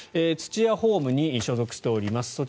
土屋ホームに所属しております